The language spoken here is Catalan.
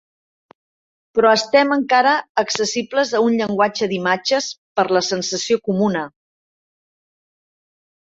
Però estem encara accessibles a un llenguatge d'imatges per la sensació comuna.